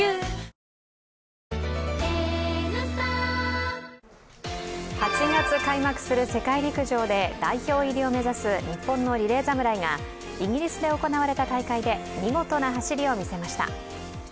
ニトリ８月開幕する世界陸上で代表入りを目指す日本のリレー侍がイギリスで行われた大会で見事な走りを見せました。